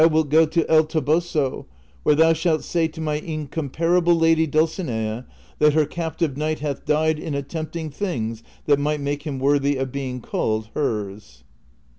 wilt go to El Toboso, where tlioii shalt say to my incomparable lady Dulciuea that lier captive knight hath died, in attempting things that might make him worthy of being called hers."